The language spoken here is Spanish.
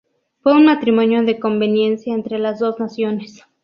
Fue un matrimonio de conveniencia entre las dos naciones.